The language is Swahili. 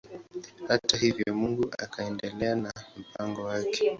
Hata hivyo Mungu akaendelea na mpango wake.